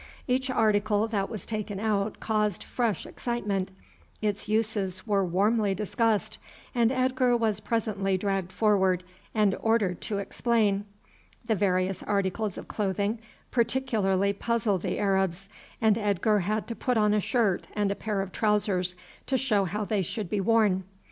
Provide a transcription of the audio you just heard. Each article that was taken out caused fresh excitement, its uses were warmly discussed, and Edgar was presently dragged forward and ordered to explain. The various articles of clothing particularly puzzled the Arabs, and Edgar had to put on a shirt and pair of trousers to show how they should be worn.